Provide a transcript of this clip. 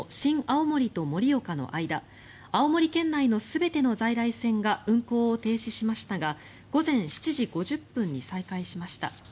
青森と盛岡の間青森県内の全ての在来線が運行を停止しましたが午前７時５０分に再開しました。